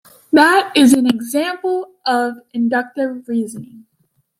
That is an example of inductive reasoning.